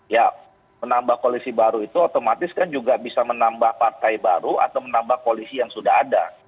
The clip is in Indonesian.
ya menambah koalisi baru itu otomatis kan juga bisa menambah partai baru atau menambah koalisi yang sudah ada